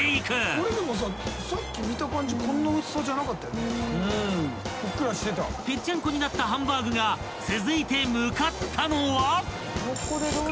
［ぺっちゃんこになったハンバーグが続いて向かったのは］